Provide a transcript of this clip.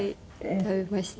食べました。